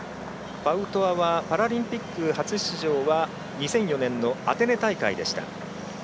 パウトワはパラリンピック初出場は２００４年のアテネ大会でした。